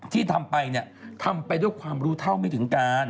ที่ทำไปเนี่ยทำไปด้วยความรู้เท่าไม่ถึงการ